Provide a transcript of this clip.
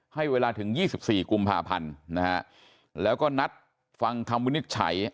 ให้เวลาถึง๒๔กุมภาพันธ์นะฮะแล้วก็นัดฟังคำวินิจฉัย